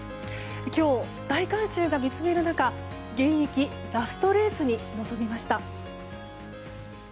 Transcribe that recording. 今日、大観衆が見つめる中現役ラストレースに臨みました。